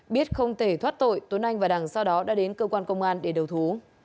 biết không thể thoát tội tuấn anh và đằng sau đó đã đến cơ quan công an để đầu thú